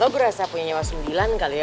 lo berasa punya nyawa sumbilan kali ya